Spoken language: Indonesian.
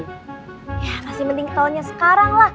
iya masih penting ketahuinnya sekarang